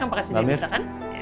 paket sendiri bisa kan